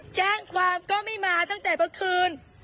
แจ้งความก็ไม่มาตั้งแต่เมื่อคืน